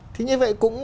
thì như vậy cũng